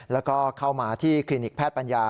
แล้วก็เข้ามาที่คลินิกแพทย์ปัญญา